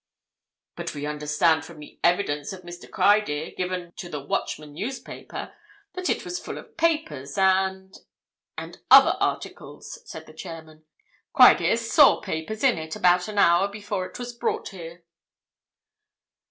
"But we understand from the evidence of Mr. Criedir, given to the Watchman newspaper, that it was full of papers and—and other articles," said the chairman. "Criedir saw papers in it about an hour before it was brought here."